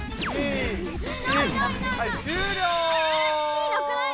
「ひ」なくない？